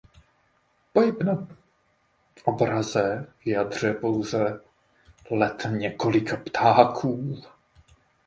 Pohyb na obraze vyjadřuje pouze let několika ptáků.